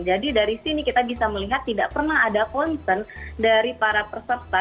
jadi dari sini kita bisa melihat tidak pernah ada concern dari para peserta